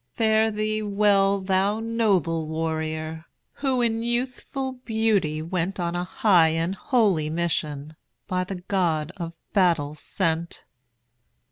Fare thee well, thou noble warrior! Who in youthful beauty went On a high and holy mission, By the God of battles sent.